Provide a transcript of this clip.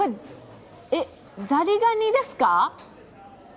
ザリガニですか？